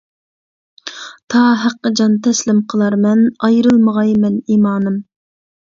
تا ھەققە جان تەسلىم قىلارمەن، ئايرىلمىغاي مەن ئىمانىم!